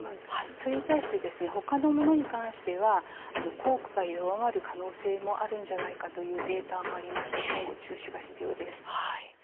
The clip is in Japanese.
それに対してほかのものに対しては効果が弱まる可能性もあるのではないかというデータもありまして今後、注視が必要です。